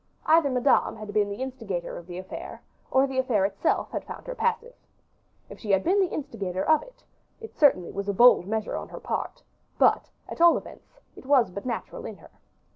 Either Madame had been the instigator of the affair, or the affair itself had found her passive. If she had been the instigator of it, it certainly was a bold measure on her part, but, at all events, it was but natural in her.